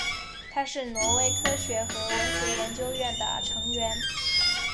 他是挪威科学和文学研究院的成员。